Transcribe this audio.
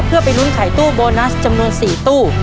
เพื่อไปลุ้นขายตู้โบนัสจำนวน๔ตู้